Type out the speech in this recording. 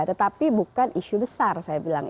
tetapi bukan isu besar saya bilang